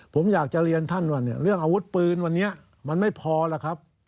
ผมอยากจะเรียนท่านว่าเรื่องอาวุธปืนวันนี้มันไม่พอแล้วครับ